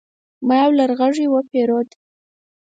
ما يو لرغږی وپيرود